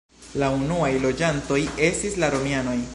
La unuaj loĝantoj estis la romianoj.